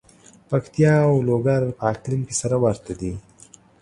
پکتیا او لوګر په اقلیم کې سره ورته دي.